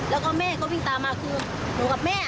แล้วก็แม่ก็วิ่งตามมาคือหนูกับแม่